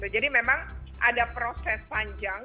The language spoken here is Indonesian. jadi memang ada proses panjang